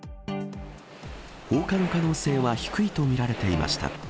放火の可能性は低いと見られていました。